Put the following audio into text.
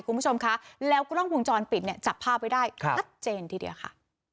คุณผู้ชมคะแล้วก็ต้องพุงจรปิดเนี้ยจับผ้าไปได้ครับทัดเจนทีเดียวค่ะ